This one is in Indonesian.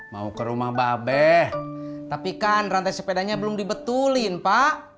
mau ke rumah mbak abe tapi kan rantai sepedanya belum dibetulin pak